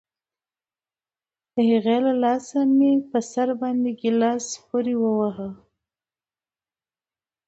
د هغې له لاسه مې په سر باندې گيلاس پورې وواهه.